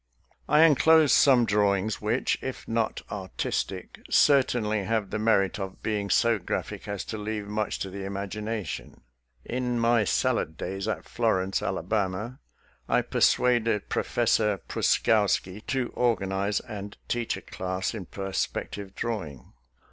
I enclose some drawings, which, if not artistic, certainly have the merit of being so graphic as to leave much to the imagination. In my salad days at Florence, Alabama, I persuaded Pro fessor Pruskowski to organize and teach a class in perspective drawing.